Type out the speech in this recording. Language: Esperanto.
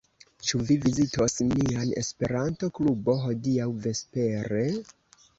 Ĉu vi vizitos nian Esperanto-klubon hodiaŭ vespere?